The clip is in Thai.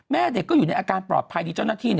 แม่เด็กก็อยู่ในอาการปลอดภัยดีเจ้าหน้าที่